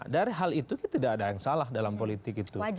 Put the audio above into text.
dari hal itu tidak ada yang salah dalam politik itu